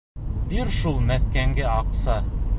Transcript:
Бир шул меҫкенгә аҡса!